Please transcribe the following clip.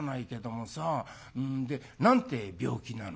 で何てえ病気なの？」。